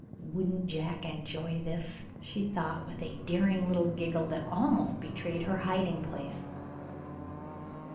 "Wouldn't Jack enjoy this," she thought, with a daring little giggle that almost betrayed her hiding place.